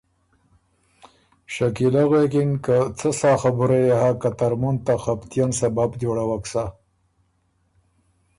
شکیلۀ غوېکِن که ”څه سا خبُره يې هۀ که ترمُن ته خپتئن سبب جوړَوَک سۀ“